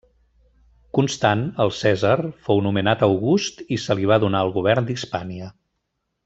Constant, el cèsar, fou nomenat august i se li va donar el govern d'Hispània.